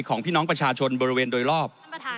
ของพี่น้องประชาชนบริเวณโดยรอบ